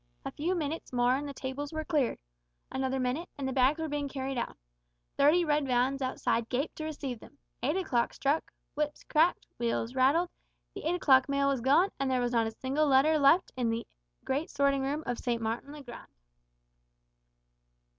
A few minutes more and the tables were cleared. Another minute, and the bags were being carried out. Thirty red vans outside gaped to receive them. Eight o'clock struck, whips cracked, wheels rattled, the eight o'clock mail was gone, and there was not a single letter left in the great sorting room of St. Martin's le Grand!